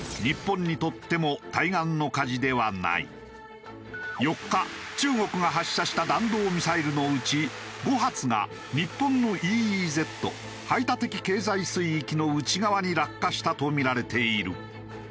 もちろん４日中国が発射した弾道ミサイルのうち５発が日本のＥＥＺ排他的経済水域の内側に落下したとみられている。